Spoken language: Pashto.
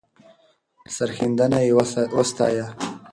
سرښندنه یې وستایه.